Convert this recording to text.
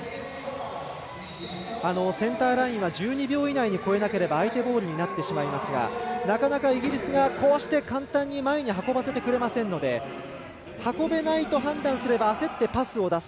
センターラインは１２秒以内に越えなければ相手ボールになってしまいますがなかなかイギリスが簡単に前に運ばせてくれませんので判断すれば焦ってパスを出す。